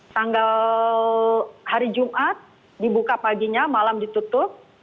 tanggal hari jumat dibuka paginya malam ditutup